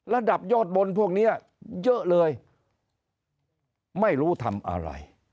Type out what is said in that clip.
ระดับยอดบนพวกนี้เยอะเลยไม่รู้ทำอะไร